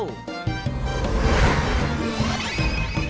โปรดติดตามตอนต่อไป